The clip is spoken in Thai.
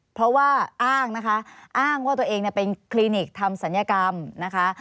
เพราะว่าอ้างนะคะอ้างว่าตัวเองเป็นคลินิกทำศัลยกรรมนะคะ